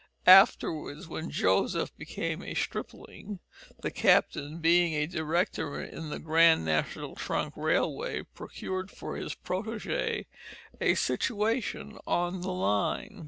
Afterwards, when Joseph became a stripling, the captain, being a director in the Grand National Trunk Railway, procured for his protege a situation on the line.